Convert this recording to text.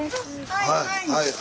はいはい！